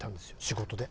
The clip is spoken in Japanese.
仕事で。